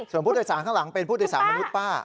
ส่วนผู้โดยสารข้างหลังเป็นผู้โดยสารมนุษย์ป้า